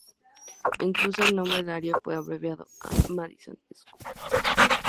Incluso el nombre de la arena fue abreviado, a Madison Sq.